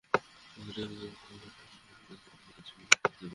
ওইদিন আদালত বলেছিলেন, দেশের একটি বিভাগ এভাবে জিম্মি হয়ে থাকতে পারে না।